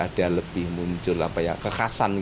ada lebih muncul kekasan